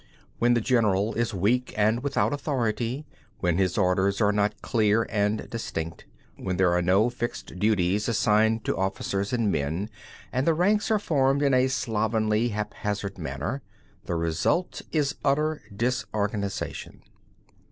When the general is weak and without authority; when his orders are not clear and distinct; when there are no fixed duties assigned to officers and men, and the ranks are formed in a slovenly haphazard manner, the result is utter disorganisation.